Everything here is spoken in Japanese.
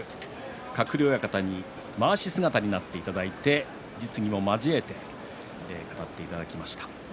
鶴竜親方にまわし姿になっていただいて実技も交えて語っていただきました。